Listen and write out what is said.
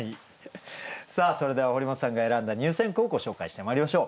さあそれでは堀本さんが選んだ入選句をご紹介してまいりましょう。